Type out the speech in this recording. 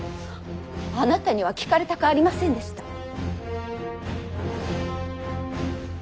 あなたには聞かれたくありませんでした。